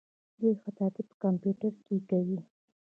دوی خطاطي په کمپیوټر کې کوي.